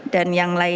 dan yang lain